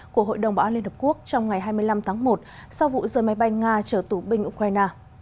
của hội đồng bảo an liên hợp quốc trong ngày hai mươi năm tháng một sau vụ rơi máy bay nga chở tù binh ukraine